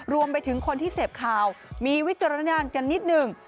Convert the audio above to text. รวมไปถึงคนที่เสพข่าวมีวิจารณญาณกันนิดหนึ่ง